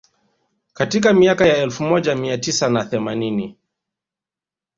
Katika miaka ya elfu moja mia tisa na themanini